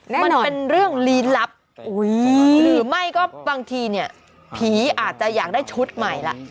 มันเป็นเรื่องลี้ลับหรือไม่ก็บางทีเนี่ยผีอาจจะอยากได้ชุดใหม่ล่ะ